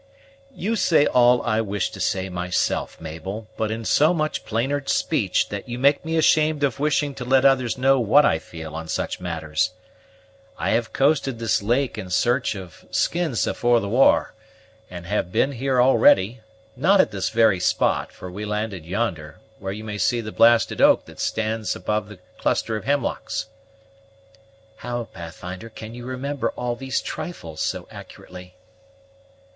"You say all I wish to say myself, Mabel, but in so much plainer speech, that you make me ashamed of wishing to let others know what I feel on such matters. I have coasted this lake in search of skins afore the war, and have been here already; not at this very spot, for we landed yonder, where you may see the blasted oak that stands above the cluster of hemlocks " "How, Pathfinder, can you remember all these trifles so accurately?"